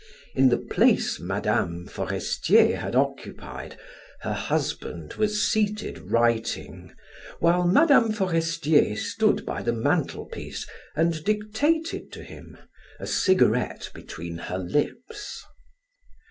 In the place Mme. Forestier had occupied, her husband was seated writing, while Mme. Forestier stood by the mantelpiece and dictated to him, a cigarette between her lips.